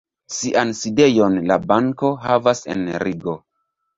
Sian sidejon la banko havas en Rigo.